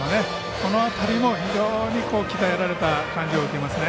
この辺りも非常に鍛えられた感じを受けますね。